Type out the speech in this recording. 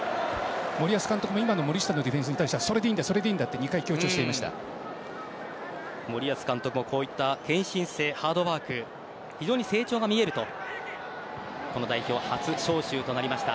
森保監督も今の森下のディフェンスに対してはそれでいいと森保監督もこういった献身性、ハードワーク非常に成長が見えると代表初招集となりました